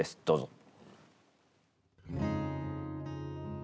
どうぞ。